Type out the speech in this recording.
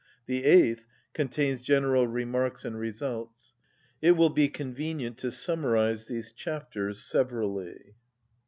The eighth contains general remarks and results. It will be convenient to summarise these chapters severally.